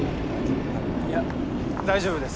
いや大丈夫です。